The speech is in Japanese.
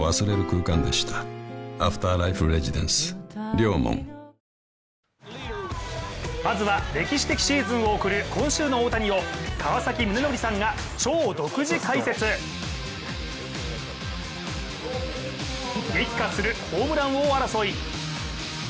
柔道・阿部兄妹とオリンピック３連覇まずは歴史的シーズンを送る今週の大谷を川崎宗則さんが超独自解説。激化するホームラン王争い。